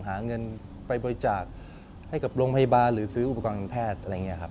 หาเงินไปบริจาคให้กับโรงพยาบาลหรือซื้ออุปกรณ์แทนแพทย์